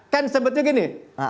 kan sebetulnya gini